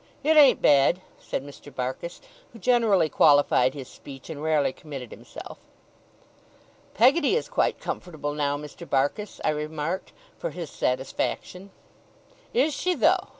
'It ain't bad,' said Mr. Barkis, who generally qualified his speech, and rarely committed himself. 'Peggotty is quite comfortable now, Mr. Barkis,' I remarked, for his satisfaction. 'Is she, though?